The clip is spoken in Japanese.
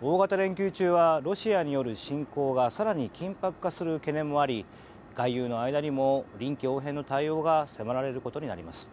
大型連休中はロシアによる侵攻が更に緊迫化する懸念もあり外遊の間にも臨機応変な対応が迫られることになります。